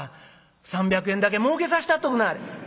３００円だけ儲けさしたっとくなはれ」。